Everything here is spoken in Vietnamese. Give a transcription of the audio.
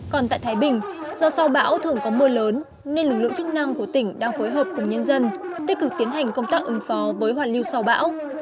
còn tại thái bình do sau bão thường có mưa lớn nên lực lượng chức năng của tỉnh đang phối hợp cùng nhân dân tích cực tiến hành công tác ứng phó với hoàn lưu sau bão